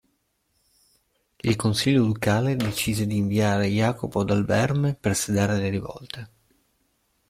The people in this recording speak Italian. Il consiglio ducale decise di inviare Jacopo Dal Verme per sedare le rivolte.